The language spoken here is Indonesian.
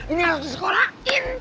ini harus disekolahin